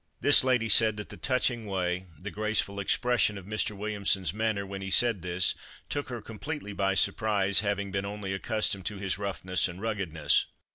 This lady said that the touching way, the graceful expression of Mr. Williamson's manner, when he said this, took her completely by surprise, having been only accustomed to his roughness and ruggedness.